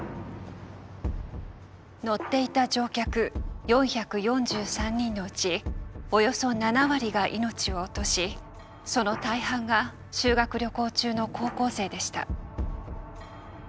乗っていた乗客４４３人のうちおよそ７割が命を落としその大半が修学旅行中の高校生でした。